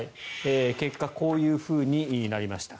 結果こういうふうになりました。